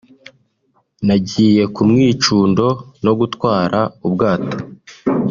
nagiye ku mwicundo no gutwara ubwato